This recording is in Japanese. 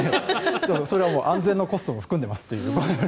それは安全のコストを含んでますという。